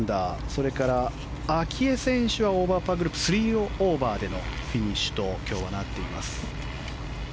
それから明愛選手がオーバーパーグループ３オーバーでのフィニッシュと今日は、なっています。